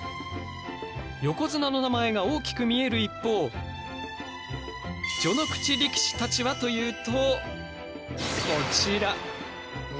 横綱の名前が大きく見える一方序ノ口力士たちはというとこちら！